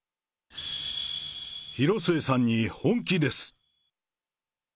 広末さんに本気です。